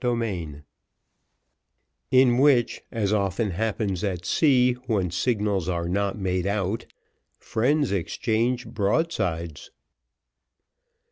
Chapter VI In which, as often happens at sea when signals are not made out, friends exchange broadsides.